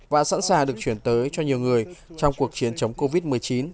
và sẵn sàng được chuyển tới cho nhiều người trong cuộc chiến chống covid một mươi chín